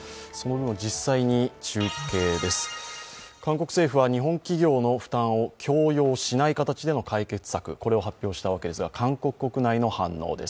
中継です、韓国政府は日本企業の負担を強要しない形での解決策を発表したわけですが韓国国内の反応です。